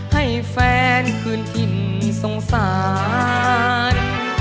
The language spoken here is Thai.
ให้แฟนคืนถิ่นสงสาร